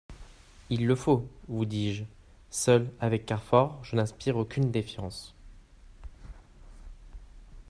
Il le faut, vous dis-je ! Seul avec Carfor, je n'inspire aucune défiance.